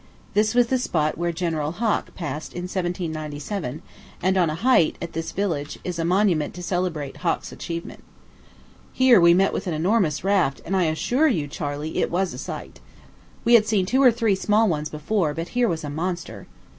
This was the spot where General Hoch passed in 1797; and on a height, at this village, is a monument to celebrate Hoch's achievement. Here we met with an enormous raft; and I assure you, Charley, it was a sight. We had seen two or three small ones before, but here was a monster.